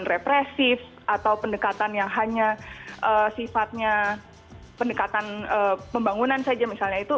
dan represif atau pendekatan yang hanya sifatnya pendekatan pembangunan saja misalnya itu